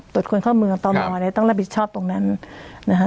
ตรวจควรเข้าเมืองตามอต้องรับบิชชอบตรงนั้นนะฮะ